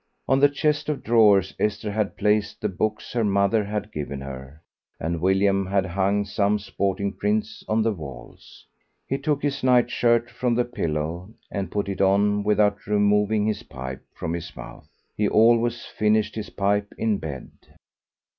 On the chest of drawers Esther had placed the books her mother had given her, and William had hung some sporting prints on the walls. He took his night shirt from the pillow and put it on without removing his pipe from his mouth. He always finished his pipe in bed.